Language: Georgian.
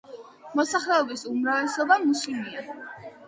მოსახლეობის უმრავლესობა მუსლიმია.